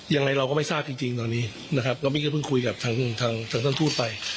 ยังไงเราก็ไม่ทราบจริงจริงตอนนี้นะครับก็ไม่ก็เพิ่งคุยกับทั้งทั้งทั้งท่านทูตไป